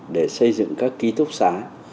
để xây dựng các ký túc xá